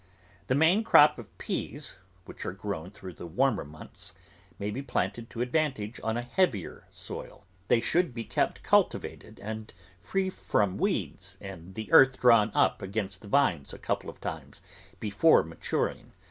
The main crop of peas, which are grown through the warmer months, may be planted to advantage on a heavier soil; they should be kept cultivated and free from weeds and the earth drawn up against the vines a couple of times before matur ing.